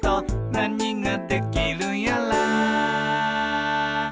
「なにができるやら」